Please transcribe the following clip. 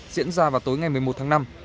diễn ra vào tối ngày một mươi một tháng năm